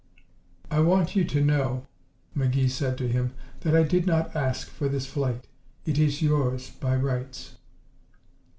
"I want you to know," McGee said to him, "that I did not ask for this flight. It is yours, by rights."